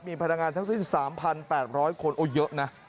มีพนักงานทั้งสิ้น๓๘๐๐คนโอ้เยอะนะ